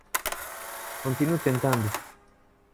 Continue tentando.